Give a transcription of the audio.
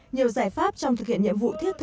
nhiều giải pháp trong thực hiện nhiệm vụ thiết